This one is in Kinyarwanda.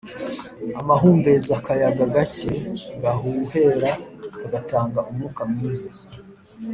amahumbez akayaga gake gahuhera kagatanga umwuka mwiza,